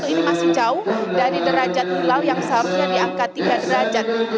ini masih jauh dari derajat hilal yang seharusnya di angka tiga derajat